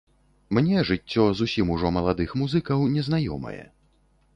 Мне жыццё зусім ужо маладых музыкаў не знаёмае.